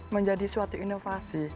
menjadi suatu inovasi